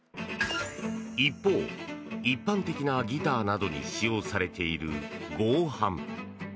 一方、一般的なギターなどに使用されている合板。